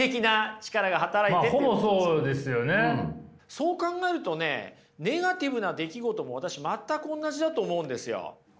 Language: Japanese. そう考えるとねネガティブな出来事も私全くおんなじだと思うんですよ。